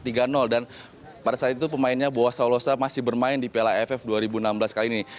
dan pada saat itu pemainnya boa saulosa masih bermain di piala aff dua ribu enam belas kali ini